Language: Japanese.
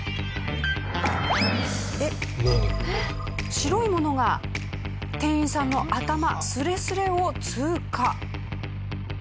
白いものが店員さんの頭スレスレを通過。